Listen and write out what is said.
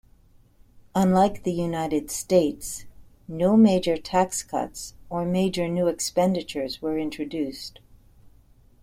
Unlike the United States no major tax cuts or major new expenditures were introduced.